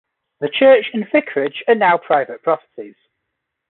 The church and vicarage are now private properties.